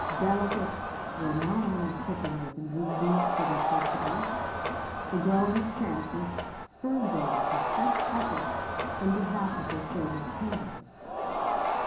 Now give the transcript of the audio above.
Delegates were not only quickened with a new zeal for their principles; the growing chances spurred them to fresh efforts in behalf of their favorite candidates.